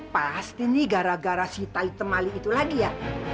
pasti nih gara gara si taite temali itu lagi ya